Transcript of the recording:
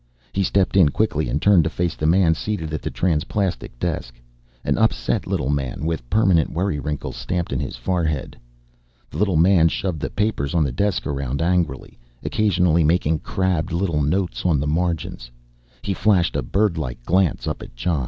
He stepped in quickly and turned to face the man seated at the transplastic desk, an upset little man with permanent worry wrinkles stamped in his forehead. The little man shoved the papers on the desk around angrily, occasionally making crabbed little notes on the margins. He flashed a birdlike glance up at Jon.